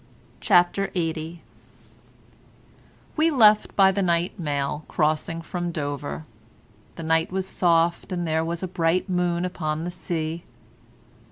CHAPTER LXXX We left by the night mail, crossing from Dover. The night was soft, and there was a bright moon upon the sea.